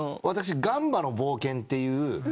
私『ガンバの冒険』っていう。